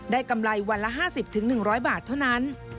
กำไรวันละ๕๐๑๐๐บาทเท่านั้น